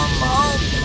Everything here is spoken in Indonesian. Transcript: mereka harus dilenjakkan